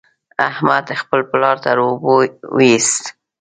احمد خپل پلار تر اوبو وېست.